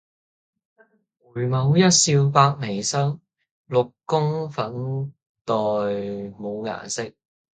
回眸一笑百媚生，六宮粉黛無顏色。